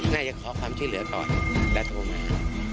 น่าจะขอความช่วยเหลือก่อนแล้วโทรมา